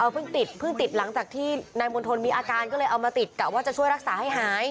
ติดเพิ่งติดหลังจากที่นายมณฑลมีอาการก็เลยเอามาติดกะว่าจะช่วยรักษาให้หาย